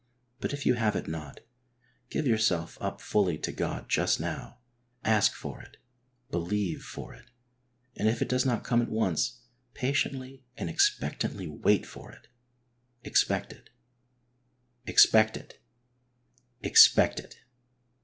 But if you have it not, give yourself up fully to God just now% ask for it, believe for it, and if it does not come at once, patiently and expectantly wait for it. Expect it, expect it, expect it